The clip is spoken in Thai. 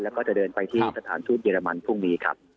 แล้วก็จะเดินไปที่สถานทูตเยอรมันพรุ่งนี้ครับ